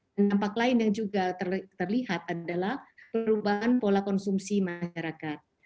dan nampak lain yang juga terlihat adalah perubahan pola konsumsi masyarakat